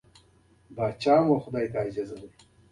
کونړ ولايت د افغانستان په ختيځ کې موقيعت لري.